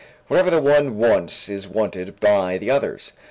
Whatever the one wants is wanted by the others.